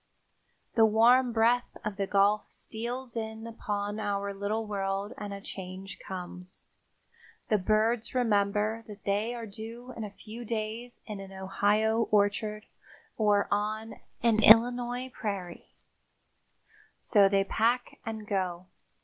The warm breath of the Gulf steals in upon our little world and a change comes. The birds remember that they are due in a few days in an Ohio orchard or on an Illinois prairie, so they pack and go.